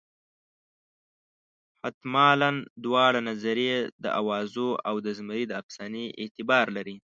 حتمالاً دواړه نظریې د اوازو او د زمري د افسانې اعتبار لري.